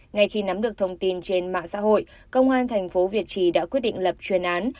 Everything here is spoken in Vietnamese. ngay khi nắm được thông tin trên mạng xã hội công an thành phố việt trì đã quyết định lập chuyên án